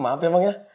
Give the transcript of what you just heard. maaf ya bang ya